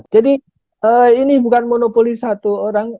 jadi ini bukan monopoli satu orang